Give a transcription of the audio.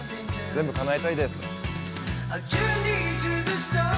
全部かなえたいです。